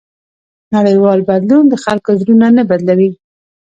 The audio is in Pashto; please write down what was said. نړیوال بدلون د خلکو زړونه نه بدلوي.